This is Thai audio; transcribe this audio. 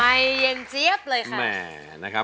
ไม่หยินเจ๊บเลยค่ะ